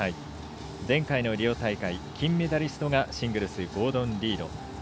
前回のリオ大会金メダリストがシングルス、ゴードン・リード。